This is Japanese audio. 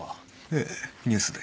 ええニュースで。